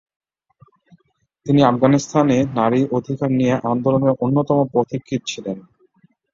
তিনি আফগানিস্তানে নারী অধিকার নিয়ে আন্দোলনের অন্যতম পথিকৃৎ ছিলেন।